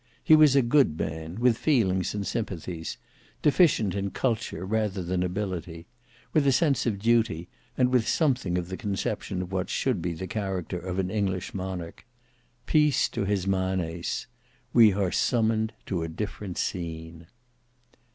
He was a good man: with feelings and sympathies; deficient in culture rather than ability; with a sense of duty; and with something of the conception of what should be the character of an English monarch. Peace to his manes! We are summoned to a different scene.